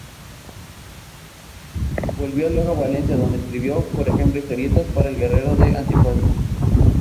Volvió luego a Valenciana, donde escribió, por ejemplo, historietas para "El Guerrero del Antifaz".